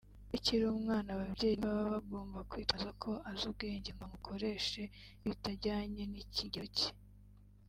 Iyo akiri umwana ababyeyi ntibaba bagomba kwitwaza ko azi ubwenge ngo bamukoreshe n’ibitajyanye n’ikigero cye